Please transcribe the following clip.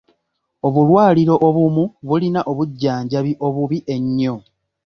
Obulwaliro obumu bulina obujjanjabi obubi ennyo.